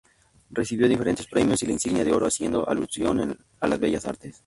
Recibió diferentes premios y la insignia de Oro haciendo alusión a las Bellas Artes.